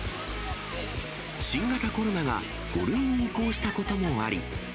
新型コロナが５類に移行したこともあり。